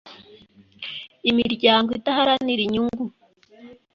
Imiryango idaharanira inyungu.